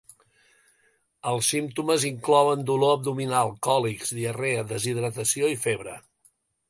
Els símptomes inclouen dolor abdominal, còlics, diarrea, deshidratació i febre.